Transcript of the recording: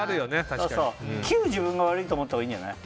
９、自分が悪いと思ったほうがいいんじゃない？